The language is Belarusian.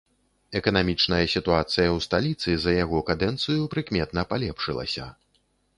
Эканамічная сітуацыя ў сталіцы за яго кадэнцыю прыкметна палепшылася.